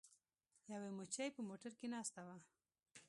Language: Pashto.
یوې مچۍ په موټر کې ناسته وه.